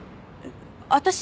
私？